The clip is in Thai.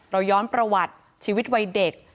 ย้อนประวัติชีวิตวัยเด็ก